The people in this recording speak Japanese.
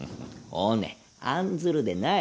おね案ずるでない。